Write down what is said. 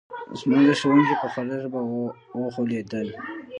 زه د ښوونکي په خوږه ژبه وغولېدم